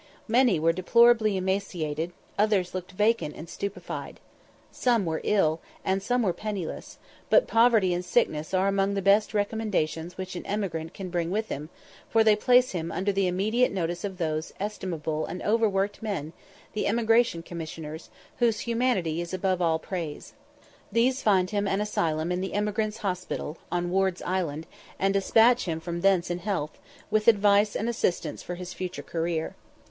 Many were deplorably emaciated, others looked vacant and stupified. Some were ill, and some were penniless; but poverty and sickness are among the best recommendations which an emigrant can bring with him, for they place him under the immediate notice of those estimable and overworked men, the Emigration Commissioners, whose humanity is above all praise. These find him an asylum in the Emigrants' Hospital, on Ward's Island, and despatch him from thence in health, with advice and assistance for his future career.